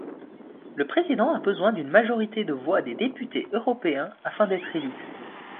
Le président a besoin d'une majorité de voix des députés européens afin d'être élu.